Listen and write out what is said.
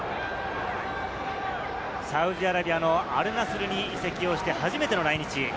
サウジアラビアのアルナスルに移籍をして初めての来日。